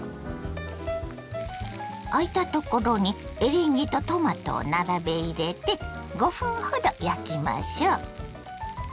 あいたところにエリンギとトマトを並べ入れて５分ほど焼きましょ。